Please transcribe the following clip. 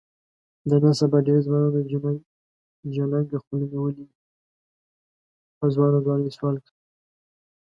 د نن سبا ډېری ځوانانو جینګه خوله نیولې وي، په ځوانه ځوانۍ سوال کوي.